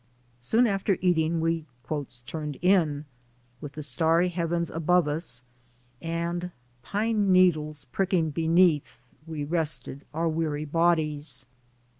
Soon after eating we "turned in," with the starry heavens above us and pine needles pricking beneath, we rested our weary bodies.